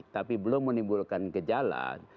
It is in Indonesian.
tapi belum menimbulkan kejalan